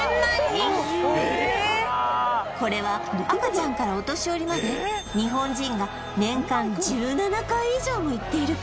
これは赤ちゃんからお年寄りまで日本人が年間１７回以上も行っている